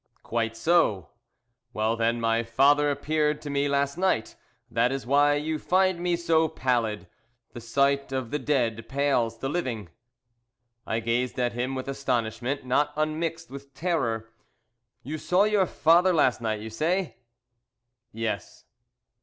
"Quite so. Well, then, my father appeared to me last night. That is why you find me so pallid. The sight of the dead pales the living!" I gazed at him with astonishment, not unmixed with terror. "You saw your father last night, you say?" "Yes."